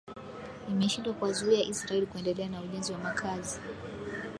imeshindwa kuwazuia israel kuendelea na ujenzi wa makazi